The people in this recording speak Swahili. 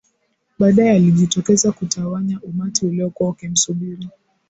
baadaye alijitokeza kutawanya umati uliokuwa ukimsubiri